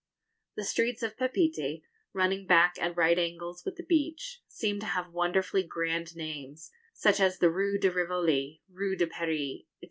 The streets of Papeete, running back at right angles with the beach, seem to have wonderfully grand names, such as the Rue de Rivoli, Rue de Paris, &c.